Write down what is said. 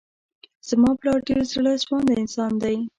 زما پلار ډير زړه سوانده انسان دی.